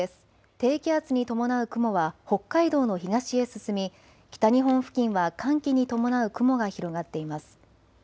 低気圧に伴う雲は北海道の東へ進み北日本付近は寒気に伴う雲が広がっています。